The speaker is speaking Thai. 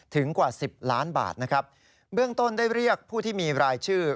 กว่าสิบล้านบาทนะครับเบื้องต้นได้เรียกผู้ที่มีรายชื่อ